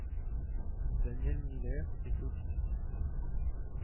Daniel Miller est autiste.